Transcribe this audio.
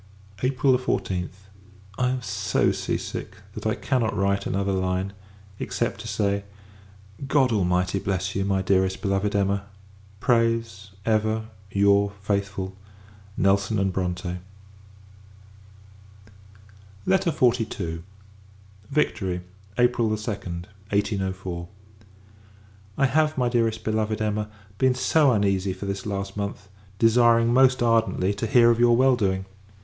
April 14th. I am so sea sick, that I cannot write another line; except, to say God Almighty bless you, my dearest beloved Emma! prays, ever, your faithful NELSON & BRONTE. LETTER XLII. Victory, April 2d, 1804. I have, my Dearest Beloved Emma, been so uneasy for this last month; desiring, most ardently, to hear of your well doing!